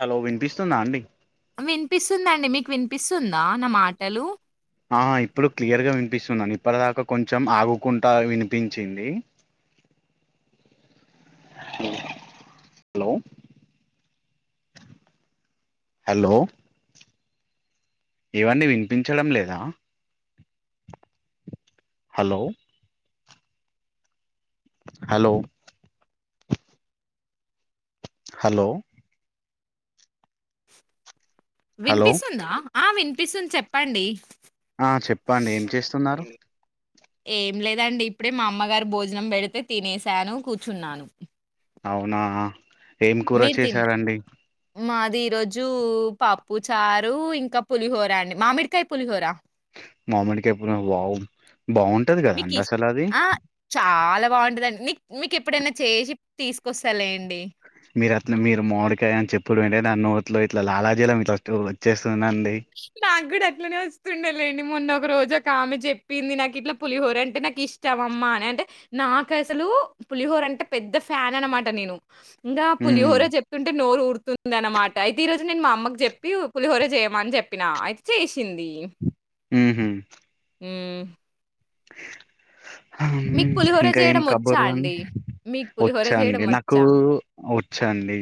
Hello వినిపిస్తుందా అండి వినిపిస్తుందండి మీకు వినిపిస్తుందా నా మాటలు ఆ ఇప్పుడు క్లియర్ గా వినిపిస్తున్నాను ఇప్పటిదాకా కొంచెం ఆగుకుంటా వినిపించింది హలో హలో ఏవండి వినిపించడం లేదా హలో హలో హలో [inaudible] హలో వినిపిస్తుందా ఆ వినిపిస్తుంది చెప్పండి ఆ చెప్పండి ఏం చేస్తున్నారు ఏం లేదండి ఇప్పుడే మా అమ్మగారు భోజనం పెడితే తినసాను కూర్చున్నాను అవునా ఏం కూర మీరు తిన్న చేసారంండి మాది ఈరోజు పప్పు చారు ఇంకా పులిహార అండి మామిడికాయ పులిహోర మామడికిప్పు వావు బాగుంటది కదాండి అసలు అది అలా బాగుంటదండి నకు మీకు ఎప్పుడైనా చేసి తీసుకొస్తాల అండి మీరు అట్లా మీరు మాడికాయ అని చెప్పుడు ఏంటే నా నోట్లో ఇట్లా లలాజీలో మీ వచ్చేస్త సునడి కూడా అట్లనే వస్తుండాలండి మొన్నొ ఒక రోజు ఒక ఆమె చెప్పింది నాకు ఇట్లా పులిహోర అంటే నాకు ఇష్టం అమ్మ అని అంటే నాకు అసలు పులిహోర అంటే పెద్ద ఫ్యాన్ అనమాట నేను ఇంకా ఉమ్ పులిహోర చెప్తుంటే నోరు తు తుంద అన్నమాట అయితే ఈ రోజు నేను మా అమ్మకు చెప్పి పులిహోర చేయమని చెప్ప చెప్పినా అయితే చేసింది హమ్మ మ్మ్ పులిహోర ఇంకా ఏం జేయడం ఒచ్చా కబుర్లు అన్నీ అండి? మీకు పులిహోర జేయడం వచ్చాండి నాకు ఒచ్చా? చండి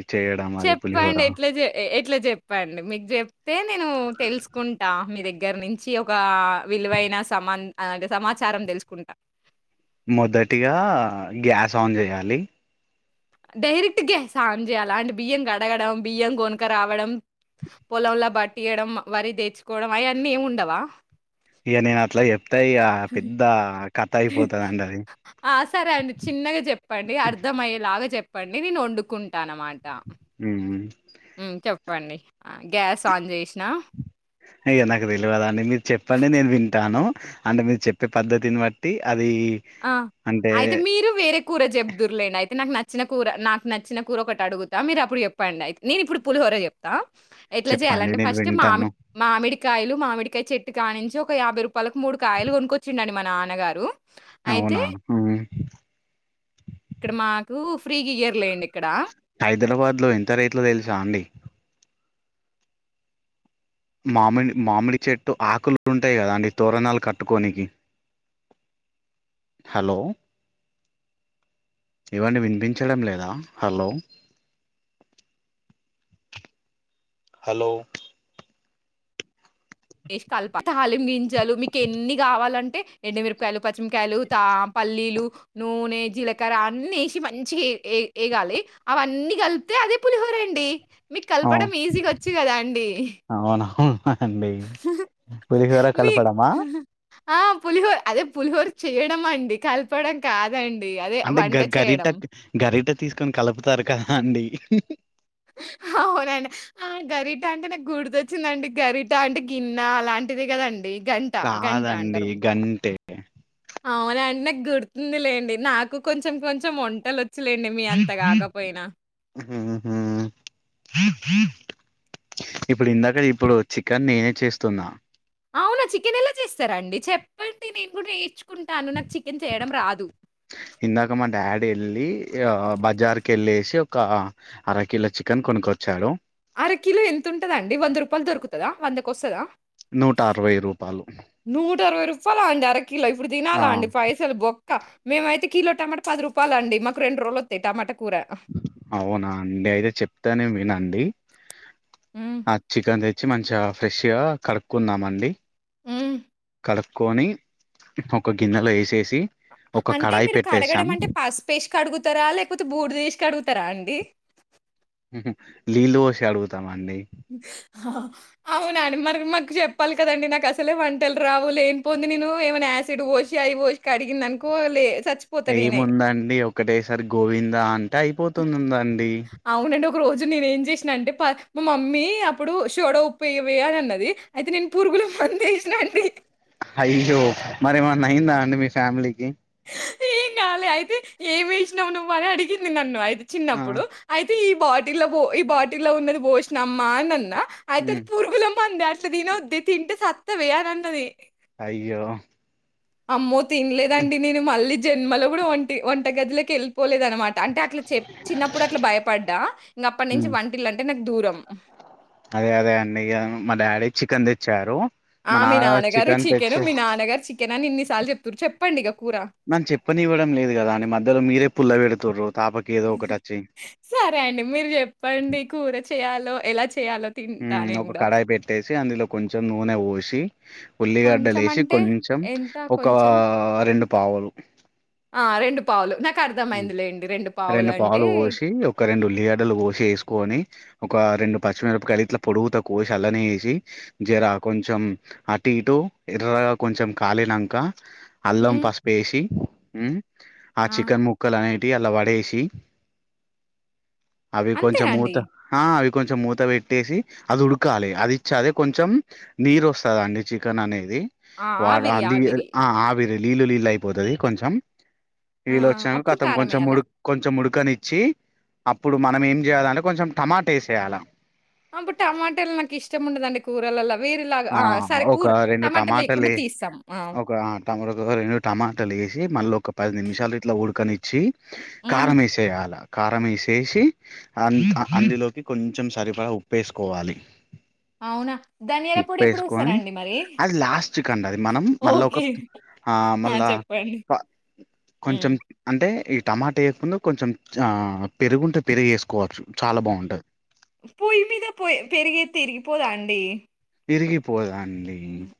చెప్పండి ఎట్లజే ఎట్ల ఇట్లా చెప్పండి మీకు చెప్తే నేను తెలుసుకుంటా మీ దగ్గర నుంచి ఒక విలువైన సమా అంటే సమాచారం తెలుసుకుంటా మొదటిగా గ్యాస్ ఆన్ చేయాలి డైరెక్ట్ గ్యాస్ ఆన్ చెయ్యాలా అంటే బియ్యం కడగడం బియ్యం కొనుక రావడం పొలలా బట్టియడం వరి తెచ్చుకోవడం అయ్యన్ని ఏమి ఉండవా ఇయ్య నేన్ అట్లా చెప్ త్త యా పెద్ద కథ అయిపోతుందండి అది ఆ సరే అండి చిన్నగా చెప్పండి అర్ధంమయ్యేలాగా చెప్ప ఇప్పండి నేను వండుకుంటాను అన్నమాట మ్మ్ చెప్పండి గ్యాస్ ఆన్ చేసినా అయ్యో నాకు తెల్వదు అండి మీరు చెప్పండి నేను వింటాను అంటే మీరు చెప్పే పద్ధతిని బట్టి అది ఆ అంటే అయితే మీరు వేరే కూర చెప్దుర్లే అండి అయితే నాకు న నచ్చిన కూర నాకు నచ్చిన కూర ఒకటి అడుగుతా మీరు అప్పుడు చెప్పండి అయితే నేను ఇప్పుడు పులిహోర చెప్తా ఎట్లా చెప్పండి చేయాలంటే నేను ఫస్ట్ వింటాను మామిడి మామిడి కాయలు మామిడికాయ చెట్టు కాని నుంచి ఒక యాభై రూపాయలకు మూడు కాయలు కొనుక్కొచ్చింండి మ నాన్నగారు అయితే అవునా ఇక్కడ మాకు ఫ్రీగియ్యారు లేండి ఇక్కడ హైదరాబాద్ లో ఎంత రేట్లో తెలుసా అండి మామిడి మామిడి చెట్టు ఆకులు ఉంటాయి కదా అండి తోరణాలు కట్టుకోనికి హలో ఏవండీ వినిపించడం లేదా హలో హలో కల్ప తాళి గించాలు మీకు ఎన్ని కావాలంటే ఎండు మిరుపుకాయలు పచ్చిమికాయలు త పల్లీలు నూనె జీలకర్ర అన్ని ఏసి మంచి ఎగాలి అవన్నీ కలిపితే అదే పులిహోర అండి మీకు ఆ కలపడం ఈజీగా వచ్చి కదా అండి అవునవును అండి పులిహోర మీకు కలపడమా ఆ పులిహోర అదే పులిహోర చేయడం అండి కలపడం కాదు అంటే గ గరిట గరిట తీసుకొని కలుపుతారు కదా అండి అవునండి ఆ గరిట అంటే నాకు గుర్తొ వచ్చిందండి గరిట అంటే గిన్నె అలాంటిదే కదండి కాదండి గంటే అవునండి నాకు గుర్తుంది లేండి నాకు కొంచెం కొంచెం వంటలు వచ్చ ఉహు ఇప్పుడు ఇందాక ఇప్పుడు చికెన్ నేనే చేస్తున్నా అవునా చికెన్ ఎలా చేస్తారండి చెప్పండి నేను కూడా నేర్ు ఇందాక మా డాడీ వెళ్ళి ఆ బజార్ క వెళ్ళేసి ఒక అరకిలో చికెన్ కొనుకొచ్చాడు అర కిలో ఎంతుంటది అండి వంద రూపాయలు దొరుకుతుందా వందకి వస్తుందా నూట అరవై రూపాయలు నూట అరవై రూపాయాల అండి అర కిలో ఇప్పుడు తినాల ఆ అండి పైసలు బొ క్క మేమయితే కిలో టమాట పది రూపాయలు అండి మాకు రెండు రోజలు వా టమాటా కూర. అవునా అండి అయితే చెప్తానే వినండి హ్మ్. ఆ చికెన్ చి మంచిగా ఫ్రెష్గా కడుక్కున్నామండి ఆమ్ కడుక్కకొని ఒక గిన్నెలో వేసేసి ఒక అంటే కడాయి మీరు పెట్టేసాం కడగడం అంటే పసుపుేసి కడుగుతారా లేకపోతే బూర్డు ఏసీ కడుగుత ంటార అండి లీలో శ అడుగు త అండి అవునా అండి మరి మాకు చెప్పాలి కదండి నాకు అసలే వంటలు రావు లేని పోంది నేను ఏమైనా యాసిడ్ వష అఐ వాష్ అడిగింద అనుకో లే చచ్చిపోతా నేనే. ఏముందండి ఒకటేసారి గోవింద అంటే అయిపోతు [inaudible] అండి ఒక రోజు నేను ఏం చేసిన అంటే మా మమ్మీ అప్పుడు షోడ ఉప్ప వేయవీ అన్నది అయితే నేను పురుగులు మంది వసినా అండి అయ్యో మరేమన్నా అయిందా అండి మీ ఫ్యామిలీకి ఏం కాలే అయితే ఏమి వేసినావు నువ్వు అని అడిగింది నన్ను అయితే ఆ చిన్నప్పుడు అయితే అతే ఈ బాటి లో ఉన్నది పోసిన అమ్మ అన్న అయితేది ఉమ్ పురుగులం మంద అట్లా తిన్నది తింటే సస్తవీ అని అన్నది అయ్యో అమ్మోద తినలేదండి నేను మళ్ళీ జన్మలో కూడా ఒంటి వంట గదిలోకి వెళ్ళిపోలేదు అనమాట అంటే అట్లా చె చిన్నప్పుడు అట్లా భయపడ్డా ఇంక అప్పటి నుంచి ఉమ్ వంటిలు అంటే నాకు దూరం అదే అదే అండి ఇగ మా డాడీ చికెన్ తెచ్చారు మా ఆ మీ నాన్న నాన్నగారు చికెన్ చికెను తెచ్చి మీ నాన్నగారు చికెన్ అని ఇన్ని చెప్పారు చెప్పండి ఇక నాకు చెప్పని ఇవ్వడం లేదు కదా అండి మధ్యలో మీరే పుల్ల పెడు తూరో సరే అండి మీరు చెప్పండి కూర చేయాలో ఎలా చే చేయాల తింటా హ్మ్. నేను ఒక కూడా కడాయి పెట్టేసి అందులో కొంచెం నూనె పోసి ఉల్లిగడ్డ కొంచెం లేసి అంటే కొంచెం ఎంత ఒక కొంచెం? రెండు పావులు ఆ రెండు పావులు నాకర్థమైందిలెండి. రెండు పావులంటే పావులు పోసి ఒక రెండు ఉల్లిగడ్డలు కొసి ఏసుకొని ఒక రెండు పచ్చిమిరపకాయలు ఇట్ల పొడుగుతో కోసి అలనే వేసి, జర కొంచెం అటు ఇటు ఎర్రగా కొంచెం కాలినంకా అల్లం హ్మ్. పసుపు ఎసి హు ఆ చికెన్ ముక్ [inaudible] అలా వడేసి అవి కొంచెం అంతేనండి. మూత ఆవి కొంచెం మూత పెట్టేసి అది ఉడకాలి అది ఇచ్చే అది కొంచెం నీరు వస్తుందిండి చికెన్ అనే ది ఆ! వాడు ఆవిరి, అలీ గా ఆవిరి. ఆ అవిరై నీళ్లు నీళ్ళు అయిపోతది కొంచెం ఆ! ఇలోయి శాం అప్పుడు కాంతం కొంచం కారమేయాలా? ముడు కొంచం ముడు మగ్గనిచ్చి అప్పుడు మనం ఏం చేయాలంటే కొంచెం టమాటా ఏసేయాల అప్పుడు టమాటలు నాకు ఇష్టం ఉండదండి కూరలల ఆ ఒక రెండు లేకుండా టమాటలే తీస్తాం. ఆ! ఒక టమాట రెండు టమాటలు ఎ జె మల్లో ఒక పది నిమిషాలు ఇట్లా ఉడకని చి హ్మ్. కారమెసేయాలా కారం వేసేసి అందులోకి కొంచెం సరిపడా ఉప్పేసుకోవాలి అవునా ధనియాల పొడి ఉప్పుేసుకొని ఎప్పుడేస్తారండి మరి? అది లాస్ట్ కండి అది మనం మళ్ళ ఒక ఓకే. ఆ మళ్ళా హ్మ్. కొంచెం అంటే టమాటా వేయక ముందు కొంచెం ఆ పెరుగుంటే పెరుగు వేసుకోవచ్చు చాలా బాగుంటది పొయ్యి మీద పో పెరిగైతే ఇరిగిపోదా అండి ఇరిగిపోదాన్ మీ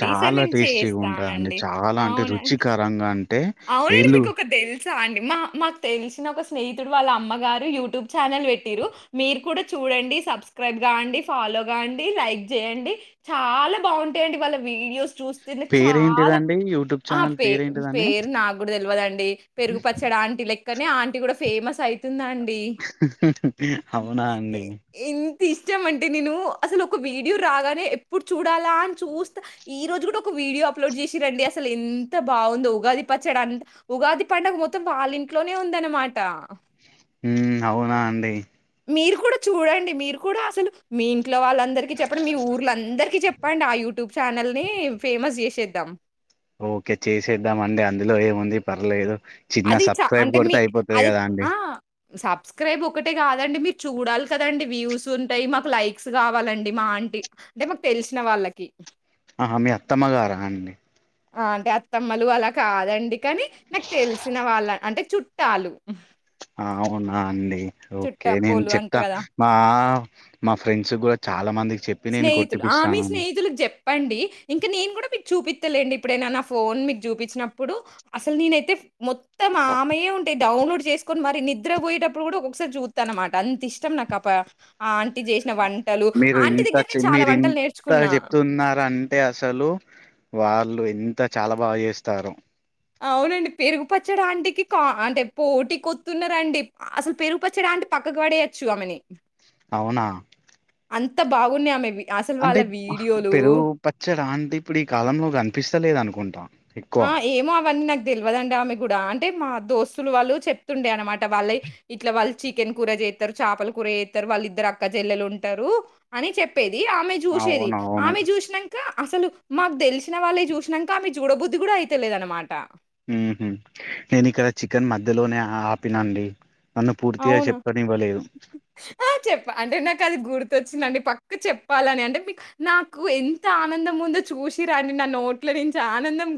చాలా టేస్టీగా ఉంటందండి చాలా అంటే అవునా? రుచికరంగా అన్ అవునండి మీకు ఒకటి తెలుసా అండి మా మాకు తెలిసిన ఒక స్నేహితుడు వాళ్ళ అమ్మ గారు యూట్యూబ్ ఛానల్ పెట్టిరు మీరు కూడా చూడండి. సబ్స్క్రైబ్ కాండి. ఫాలో కాండి. లైక్ చేయండి. చాలా బాగుంటాయండి వాళ్ళ వీడియోస్ చూస్తేనే పేర్ చాలా ఏంటిదండి యూట్యూబ్ ఆ! ఛానల్ పే పేరేంటిదంన్ పేరు నాగుడు తెలివదండి పెరుగు పచ్చడి ఆంటీ లె కనీ ఆంటీ గుడా ఫేమస్ అయి అండి అవునా అండి ఎంతిష్టమం అంటే నేను అసల్ ఒక వీడియో రాగానే ఎప్పుడు చూడాలా అని చూస్తా ఈ రోజు గుడా ఒక వీడియో అప్లోడ్ చేసింరండి అసల ఎంత బాగుందో ఉగాది పచ్చడ అంత ఉగాది పండగ మొత్తం వాళ్లింట్లోనే ఉందన్నమాట హ్మ్ అవునా అండి మీరు కూడా చూడండి మీరు కూడా అసలు మీ ఇంట్లో వాళ్ళందరికీ చెప్పడి మీ ఊర్లందరికీ చెప్ పండ్ ఆ యూట్యూబ్ ఛానల్ని ఫేమస్ చేసేద్దాం ఓకే చేసేద్దాం అండి అందులో ఏముంది పర్లేదు చిన్న అది చ సబ్స్క్రైబ్ అంటే మీ కొడితే అయిపోతది అది కదా అండి ఆ! సబ్స్క్రైబ్ ఒకటే కాదండి మీర్ చూడాల్ కదండి వ్యూస్ ఉంటాయి. మాకు లైక్స్ కావాలండి మా ఆంటి అంటే మాకు తెల్సిన వాళ్ళకి ఆహా మీ అత్తమ్మగారా అండి ఆ అంటే అత్తమ్మలు అలా కాదండి కనీ నాక్ తెల్సిన వాళ్ళ అంటే చుట్టాలు అవునా అండి ఓకే నేను చుట్టపోలు చెప్తా అంటారు గదా! మా మా ఫ్రెండ్స్ కూడా చాలా మందికి చెప్ స్నేహితులు ఆ మీ స్నేహితులు చె చెప్పండి ఇంకా నేన్ గుడా మీక్ చూపిత్తలేండి ఇప్పుడైనా నా ఫోన్ మీక్ చూపించినప్పుడు అసల్ నేనైతే మొత్తం ఆమెయే ఉంటయి డౌన్లోడ్ చేస్కొని మరి నిద్ర పోయేటప్పుడు గుడా ఒక్కొక్క సారి చూత్త అన్నమాట అంత ఇష్టం నాకు ఆ ఆంటీ వంటలు ఆంటి దగ్గ మీర్ ఇంతగ చెప్తున్నరంటే అసలు వాళ్ళు ఎంత చాలా బాగా చేస్తారో అవునండి పెరుగు పచ్చడ ఆంటికి కా అంటే పోటీ కొత్తున్నరండి అసల్ పెరుగుపచ్చడ ఆంటి పక్కకు పడేయొచ్చు ఆమెని అవునా అంత బాగున్నయి ఆమెవి అసలు వాళ్ళ అంటే వీడియోలు పెరుగు పచ్చడ అంటే ఇప్పుడు ఈ కాలంలో కనిపిస్తలేద్ అనుకుం ట ఆ ఏమో అవన్నీ నాక్ తెల్వదండి ఆమెక్ గుడా అంటే మా దోస్ తులు వాళ్ళు చెప్తుండే అన్నమాట. వాళ్ళయి ఇట్ల వాళ్ళు చికెన్ కూర చేత్తరు చేపలు కూర చేత్తరు వాళ్ళ ఇద్దరు అక్కచెల్లలు ఉంటరు అని చెప్పేది ది ఆమె చూసేది అవునవును ఆమె చూసినంక అసలు మాక్ తెల్సిన వల్లై చూసినంక ఆమెయి చూడబుద్ ఇది గుడ అయితేలేద్ అన్నమాట మ్ హ్ నేన్ ఇక్కడ చికెన్ మధ్యలోనే ఆపినండి నన్ను పూర్తిగా అవునా? చెప్పనివ్వలేదు. ఆ చెప్ అంటే నాక్ అది గుర్తొచ్చిందండి పక్క చెప్పాలని అంటే మిక్ నాకు ఎంత ఆనందం ఉందో చూసింరండి నా నోట్ల నుంచి ఆనందం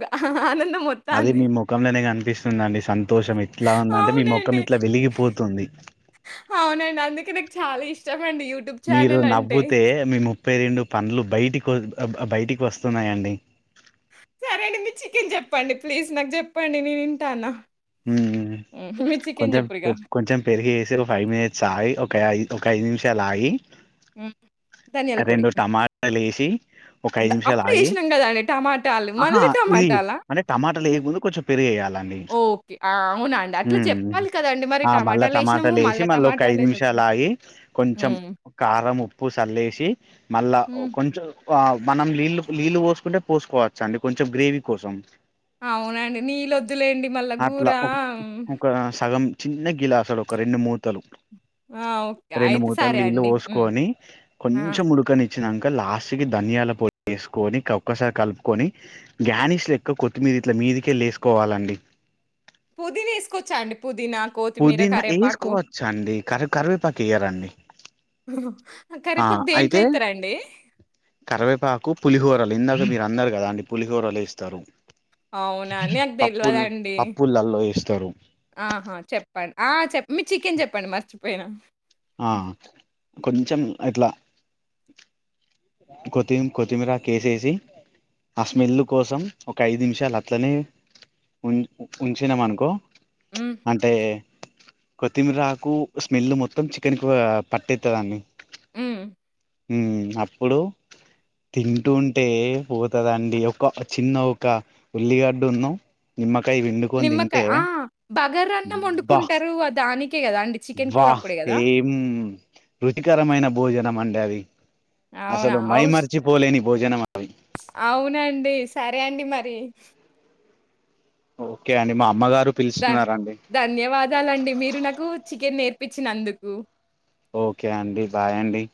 ఆనందం అది ఒత్తాంది. మీ ముఖంలనే కనిపిస్తుందండి సంతోషం ఇట్లా ఉందంటే మీ ముఖం అవునండి. ఇట్లా వెలిగిపో తుంది అవునండి అందుకే నాకు చాలా ఇష్టం మీరు నవ్వితే మీ ముప్పై రెండు పంలు బయటికి బయటికి వస్తున్నాయాండి సరే అండి మీరు చికెన్ చెప్పండి ప్లీజ్ నాకు చెప్పండి నేను వింటాను హ్మ్. మీరు చికెన్ కొంచెం జెప్పురిగ. కొంచెం పెరిగి వేసి ఒక ఫైవ్ మినిట్స్ ఆయి ఒక ఐ ఒక ఐదు నిమిషాలు ఆగి మ్ రెండు టమాటలే సి ఒక ద ఐదు నిమిషాల్ అప్పుడే ఆగి ఏసినాం గదండీ టమాటాలు. ఆహా మళ్ళీ ఇది టమాటాలా? అంటే టమాటలు ఏయకముందు కొంచెం పెరుగెయ్యాలండి. ఓకే. ఆ! అవునా అండి. అట్లా మ్ జెప్పాలి కదండీ మరి ఆ మళ్ళ టమాటాలేసినాము టమాటల్ ఏసి మళ్ళా మళ్ళోక ఐదు టమాటాలెందుకు? నిమిషాలు ఆగి కొంచం హ్మ్. కారం ఉ [unintelligible] మళ్ళా హ్మ్. కొంచ వావ్ మనం నీళ్లు నీళ్లు పోస్కుంటే పోస్కోచ్చా అండి కొంచెం గ్రేవీ కోసం అవునండి నీళ్ళొద్దులేండి మళ్ళా గుర అట్లా ఒక ఒక సగం చిన్న గిలాసులు ఒక రెండు మూతలు ఆ! ఓకే. రెండు అయితే సరే మూటలు ఇళ్లు అండి. హ్మ్. పోసుకొని ఆ! కొంచెం ముడుకని వచ్చినాక లాస్ట్ క ధన్యాల పొ వేసుకొని ఒక్కసారి కలుపుకొని గనిష్ లెక్క కొత్తిమీద ఇట్ల మీదికే లేసుకోవాలండి పుదిని వేసుకొచ్చాండి పుది పుదీనా వేసుకోవచ్చ అండి కరి కరివేపాకు వేయరడి ఆ కరివేపాకు దేంట్లో అయితే ఎత్తరండి? కరివేపాకు పులిహోరలు ఇందాక మీ అన్నారు కదా అ పులిహూరలు ఇస్తారు అవునా నాకు తెలియదండి పప్పులల్లో వేస్తారు ఆహా చెప్ చెప్పం చెప్ప మీ చికెన్ చెప్పండి మర్చిపోయినా ఆ కొంచెం ఇట్లా కొత్తి కొత్తిమీర కే వేసేసి ఆ స్మెల్ కోసం ఒక ఐదు నిమిషాలు అట్లనే ఉం ఉంచినాం అనుకో హ్మ్. అంటే కొత్తిమీరకు స్మెల్ మొత్తం చికెన్ కి పట్టేతు దాన్ని హమ్ హమ్ ఇప్పుడు తింటుంటే పోతుందండి ఒక చిన్న ఒక ఉల్లిగడ్డు ఉన్నా నిమ్మ వండుకొని తింటే నిమ్మకాయ ఆ! బగారన్నం బ్ వండుకుంటారు. దానికే గదా అండి చికెన్ కూర వాహ్ అప్పుడే గదా! ఏం రుచికరమైన భోజన మండవి అవునా! అసలు మై ఔష్ మరచిపోలేని భోజనం అవునండి సరే ఓకే అండి మా అమ్మగారు ద పిలుస్తున్నారండి ధన్యవాదాలండి మీరు నాకు చికెన్ నేర్ ర్పిప్పించినందుకు ఓకే అండి బాయ్ అండి